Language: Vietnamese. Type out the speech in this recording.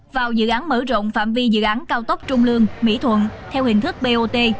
vào dự án mở rộng phạm vi dự án cao tốc trung lương mỹ thuận theo hình thức bot